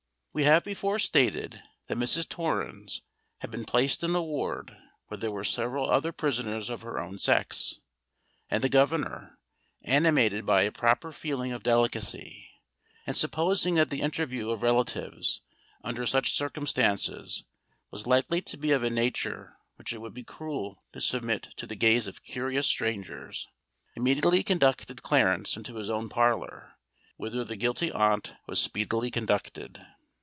We have before stated that Mrs. Torrens had been placed in a ward where there were several other prisoners of her own sex; and the governor, animated by a proper feeling of delicacy, and supposing that the interview of relatives under such circumstances was likely to be of a nature which it would be cruel to submit to the gaze of curious strangers, immediately conducted Clarence into his own parlour, whither the guilty aunt was speedily conducted.